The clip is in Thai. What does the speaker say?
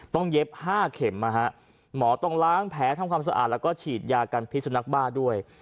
เย็บ๕เข็มนะฮะหมอต้องล้างแผลทำความสะอาดแล้วก็ฉีดยากันพิสุนักบ้าด้วย